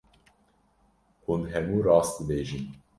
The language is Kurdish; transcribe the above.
Hûn hemû rast dibêjin.